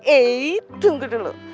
eh tunggu dulu